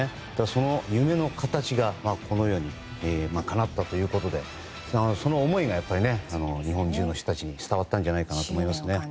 その夢の形がこのようにかなったということでその思いが日本中の人たちに伝わったんじゃないかと思います。